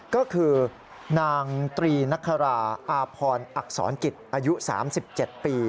ก็คือนางตรีนักคาราอาพรอักษรกิจอายุ๓๗ปี